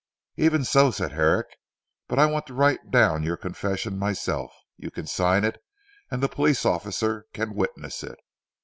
"Even so," said Herrick, "but I want to write down your confession myself. You can sign it and the police officer can witness it.